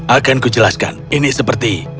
akan kujelaskan ini seperti